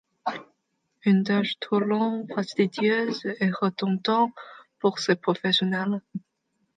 Une tâche trop longue, fastidieuse et redondante pour ces professionnels.